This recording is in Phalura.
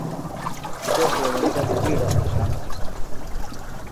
سےۡ ہیوندہ بِیڈہ خوشان ہوںسن دےۡ